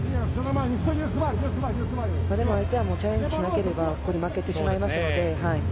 でも相手はチャレンジしなければ、ここで負けてしまいますので。